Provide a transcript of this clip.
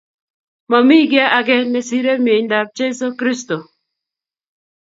Momi kiy ake nesirei miendap Jeso Kristo